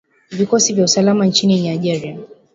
Vikosi vya usalama nchini Nigeria